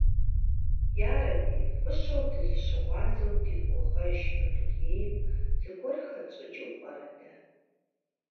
Ярэби, фӏыщэу дызыщыгъуазэу ди гугъэж мы дунейм зыгуэр хэтщӏыкӏыу пӏэрэ дэ?